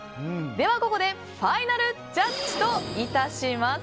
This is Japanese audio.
ここでファイナルジャッジといたします。